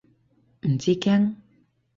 唔知驚？